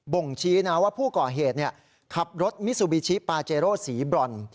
่งชี้นะว่าผู้ก่อเหตุขับรถมิซูบิชิปาเจโร่สีบรอน